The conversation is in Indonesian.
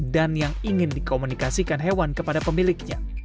dan yang ingin dikomunikasikan hewan kepada pemiliknya